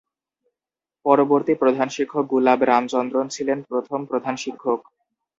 পরবর্তী প্রধান শিক্ষক গুলাব রামচন্দ্রন ছিলেন প্রথম প্রধান শিক্ষক।